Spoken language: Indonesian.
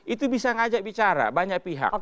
itu bisa ngajak bicara banyak pihak